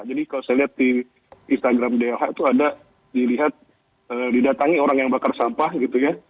jadi kalau saya lihat di instagram doh itu ada dilihat didatangi orang yang bakar sampah gitu ya